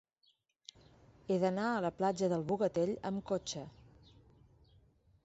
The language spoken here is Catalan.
He d'anar a la platja del Bogatell amb cotxe.